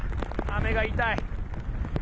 雨が痛い。